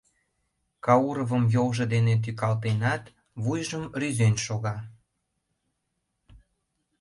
Кауровым йолжо дене тӱкалтенат, вуйжым рӱзен шога: